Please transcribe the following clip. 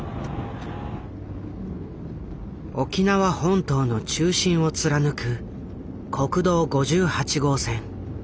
沖縄本島の中心を貫く国道５８号線。